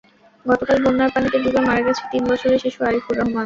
গতকাল বন্যার পানিতে ডুবে মারা গেছে তিন বছরের শিশু আরিফুর রহমান।